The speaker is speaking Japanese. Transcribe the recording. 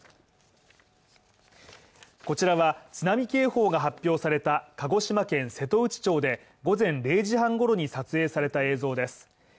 こちらは、津波警報が発表された鹿児島県瀬戸内町で午前０時半ごろに撮影された映像です。